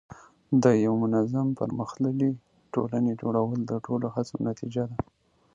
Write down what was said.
د یوه منظم او پرمختللي ټولنې جوړول د ټولو هڅو نتیجه ده.